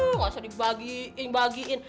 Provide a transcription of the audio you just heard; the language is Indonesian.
nggak usah dibagiin bagiin